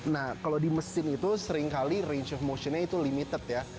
nah kalau di mesin itu seringkali range of motionnya itu limited ya